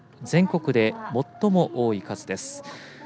全国で最も多い数です。